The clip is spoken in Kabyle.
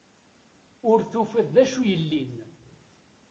Ur tufiḍ d acu yellin.